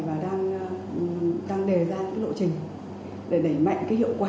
và đang đề ra những lộ trình để đẩy mạnh cái hiệu quả